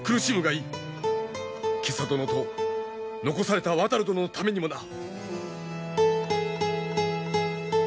袈裟殿と残された渡殿のためにもな。